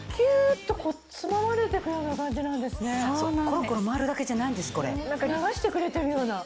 コロコロ回るだけじゃないんですこれ。